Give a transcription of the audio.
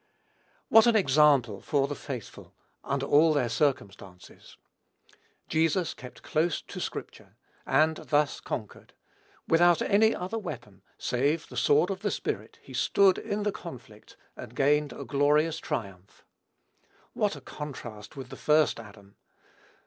What an example for the faithful, under all their circumstances! Jesus kept close to scripture, and thus conquered: without any other weapon, save the sword of the Spirit, he stood in the conflict, and gained a glorious triumph. What a contrast with the first Adam!